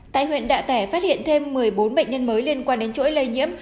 tại huyện đạ tẻ phát hiện thêm một mươi bốn bệnh nhân mới liên quan đến chuỗi lây nhiễm